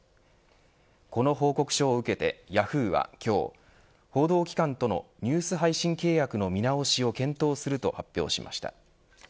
この報告書を受けてヤフーは、今日報道機関とのニュース配信契約の見直しを検討すると発表しました。